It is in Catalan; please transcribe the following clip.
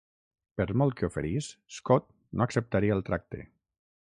Per molt que oferís, Scott no acceptaria el tracte.